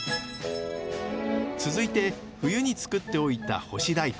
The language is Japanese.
続いて冬につくっておいた干し大根。